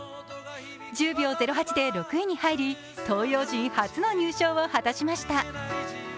１０秒０８で６位に入り、東洋人初の入賞を果たしました。